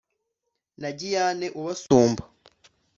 na giyane ubasumba